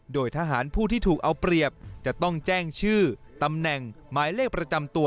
โดยทหารผู้ที่ถูกเอาเปรียบจะต้องแจ้งชื่อตำแหน่งหมายเลขประจำตัว